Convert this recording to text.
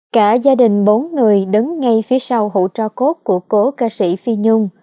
cả gia đình bốn người đứng ngay phía sau hữu trò cốt của cố ca sĩ phi nhung